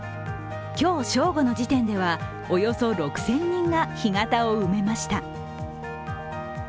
今日正午の時点では、およそ６０００人が干潟を埋めました。